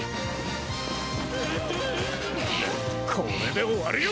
これで終わりよ！